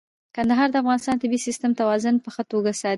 کندهار د افغانستان د طبیعي سیسټم توازن په ښه توګه ساتي.